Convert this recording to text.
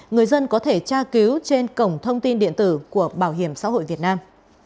người dân có thể tra cứu trên cổng thông tin điện tử của bảo hiểm xã hội việt nam